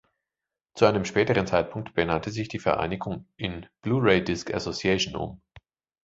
Zu einem späteren Zeitpunkt benannte sich die Vereinigung in "Blu-ray Disc Association" um.